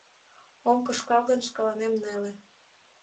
Ом кышкал гын, шкаланем неле.